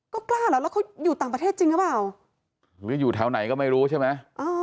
ก็กล้าเหรอแล้วเขาอยู่ต่างประเทศจริงหรือเปล่าหรืออยู่แถวไหนก็ไม่รู้ใช่ไหม